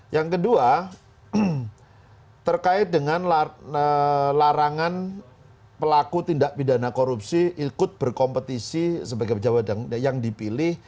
yang kedua terkait dengan larangan pelaku tindak pidana korupsi ikut berkompetisi sebagai pejabat yang dipilih